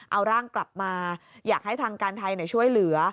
เอาร่างกลับมาอยากให้ทางการไทยช่วยเหลือ